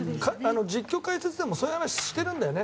実況、解説でもそういう話をしてるんだよね。